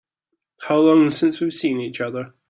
How long since we've seen each other?